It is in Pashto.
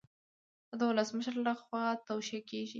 دا د ولسمشر لخوا توشیح کیږي.